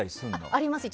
あります。